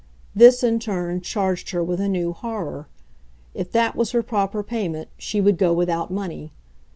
This, in turn, charged her with a new horror: if that was her proper payment she would go without money.